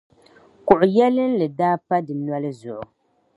kuɣ’ yɛlinli daa pa di noli zuɣu.